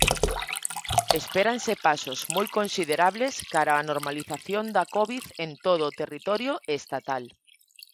Espéranse pasos moi considerables cara á normalización da covid en todo o territorio estatal.